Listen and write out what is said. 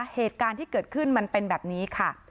เหตุการณ์ที่เกิดขึ้นมันเป็นแบบนี้ค่ะ